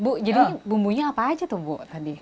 bu jadi bumbunya apa aja tuh bu tadi